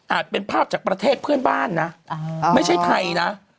เป็นภาพจากประเทศเพื่อนบ้านนะไม่ใช่ไทยนะ